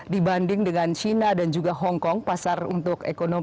dibanding dengan china dan juga hongkong pasar untuk ekonomi